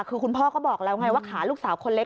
คือคุณพ่อก็บอกแล้วไงว่าขาลูกสาวคนเล็ก